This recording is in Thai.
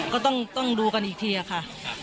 ก็ต้องดูกันอีกทีค่ะ